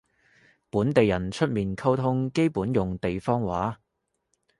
本地人出面溝通基本用地方話